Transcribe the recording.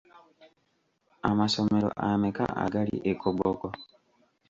Amasomero ameka agali e Koboko?